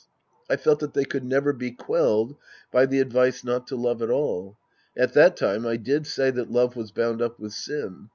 I felt that they could never be quelled by the ad^^ce not to love at all. At that time I did say that love was bound up wi'h sin.